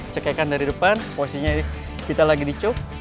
cekekan dari depan posisinya kita lagi di choke